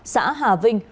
xã hà vinh